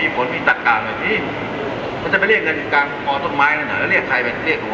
ขอบคุณครับ